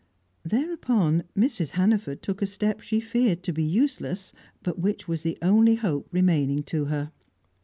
Thereupon Mrs. Hannaford took a step she feared to be useless, but which was the only hope remaining to her.